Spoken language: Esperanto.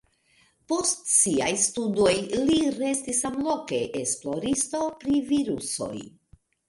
Post siaj studoj li restis samloke esploristo pri virusoj.